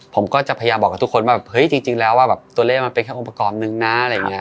ผมก็จัดพยายามบอกกับทุกคนว่าจริงแล้วว่าตัวเลขมันเป็นแค่อุปกรณ์หนึ่งนะ